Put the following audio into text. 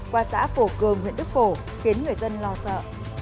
qua xã phổ cường huyện đức phổ khiến người dân lo sợ